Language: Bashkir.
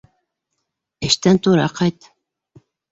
Эштән тура ҡайт...